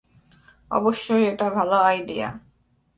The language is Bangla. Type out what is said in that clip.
অবশ্যই এটা ভালো আইডিয়া।